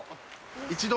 一度。